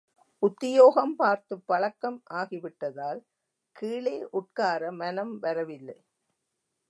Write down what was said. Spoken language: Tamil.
உத்தியோகம் பார்த்துப் பழக்கம் ஆகிவிட்டதால் கீழே உட்கார மனம் வரவில்லை.